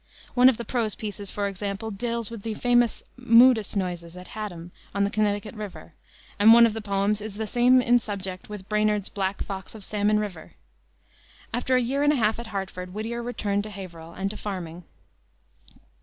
One of the prose pieces, for example, deals with the famous "Moodus Noises" at Haddam, on the Connecticut River, and one of the poems is the same in subject with Brainard's Black Fox of Salmon River. After a year and a half at Hartford, Whittier returned to Haverhill and to farming.